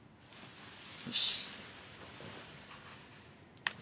よし！